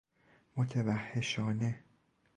متوحشانه